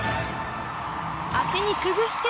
足にくぐせて。